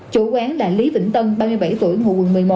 chủ quán là lý vĩnh tân ba mươi bảy tuổi ngụ quận một mươi một